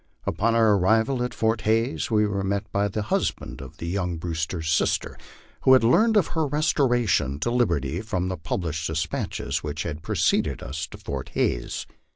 Upon our arrival at Fort Hays we were met by the husband of young Brewster's sister, who had learned of her restoration to liberty from the published despatches which had preceded us to Fort Hays.